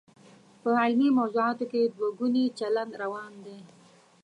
په علمي موضوعاتو کې دوه ګونی چلند روا نه دی.